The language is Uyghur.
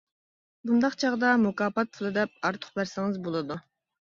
بۇنداق چاغدا مۇكاپات پۇلى دەپ ئارتۇق بەرسىڭىز بولىدۇ.